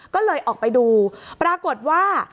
ก็เลยออกไปดูปรากฏว่า